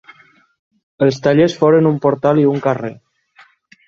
Els tallers foren un portal i un carrer.